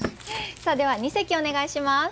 さあでは二席お願いします。